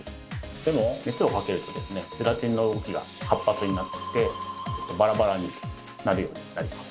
でも熱をかけるとですねゼラチンの動きが活発になってきてバラバラになるようになります。